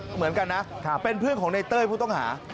เหมือนกันนะเป็นเพื่อนของในเต้ยผู้ต้องหา